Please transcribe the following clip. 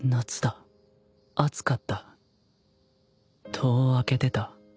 戸を開けてた